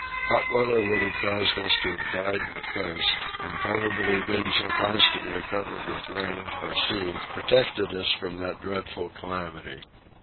Hot weather would have caused us to have died with thirst; and probably being so constantly covered with rain or sea protected us from that dreadful calamity.